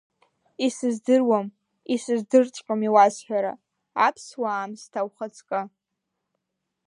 Исыздыруам, исыздырҵәҟьом иуасҳәара, аԥсуа аамсҭа, ухаҵкы!